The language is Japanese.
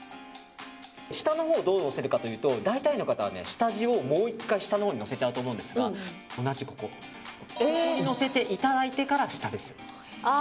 下のほうはどうのせるかというと大体の方は下地をもう１回、下のほうにのせちゃうと思うんですがここにのせていただいてから下。